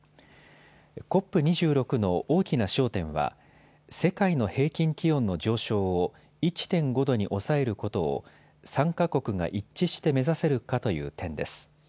ＣＯＰ２６の大きな焦点は世界の平均気温の上昇を１．５度に抑えることを参加国が一致して目指せるかという点です。